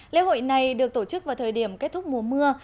lễ hội này được tổ chức vào thời điểm kết thúc mùa mưa